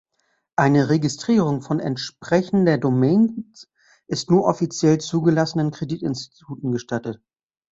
Eine Registrierung von entsprechender Domains ist nur offiziell zugelassenen Kreditinstituten gestattet.